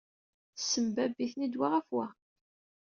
Tessembabb-iten-id wa ɣef-wa.